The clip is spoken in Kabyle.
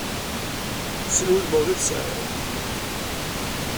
Si wudmawen i tesɛiḍ.